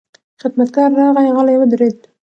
خدمتګار راغی، غلی ودرېد.